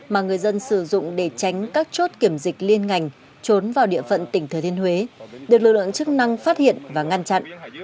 mà người dân sử dụng để tránh các chốt kiểm dịch liên ngành trốn vào địa phận tỉnh thừa thiên huế được lực lượng chức năng phát hiện và ngăn chặn